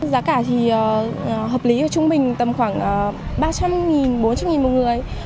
giá cả thì hợp lý và trung bình tầm khoảng ba trăm linh bốn trăm linh một người